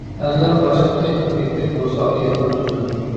ئەرلەر قاچانكى ئەركەكتەك بولسا ئاياللار تۈزىلىدۇ.